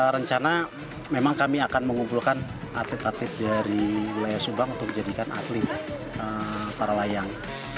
rencana memang kami akan mengumpulkan atlet atlet dari wilayah subang untuk menjadikan atlet para layang